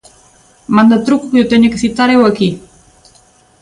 ¡Manda truco que o teña que citar eu aquí!